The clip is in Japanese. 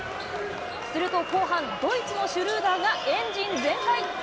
すると後半、ドイツのシュルーダーがエンジン全開。